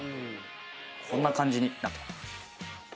こんな感じになってます。